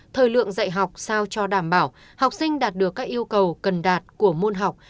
thời lượng dạy học sao cho đảm bảo học sinh đạt được các yêu cầu cần đạt của môn học